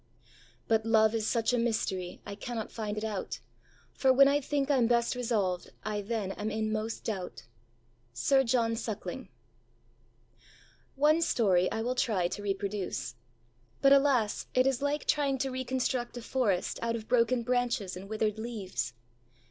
ãBut Love is such a Mystery I cannot find it out: For when I think Iãm best resolvãd, I then am in most doubt.ã SIR JOHN SUCKLING. One story I will try to reproduce. But, alas! it is like trying to reconstruct a forest out of broken branches and withered leaves.